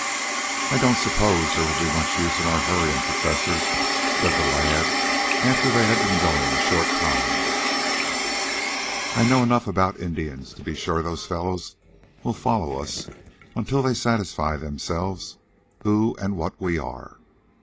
"I don't suppose there will be much use in our hurrying, Professor," said the lad, after they had been going a short time. "I know enough about Indians to be sure those fellows will follow us until they satisfy themselves who and what we are.